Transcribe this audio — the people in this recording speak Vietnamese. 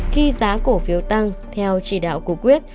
khi giá cổ phiếu tăng theo chỉ đạo của quyết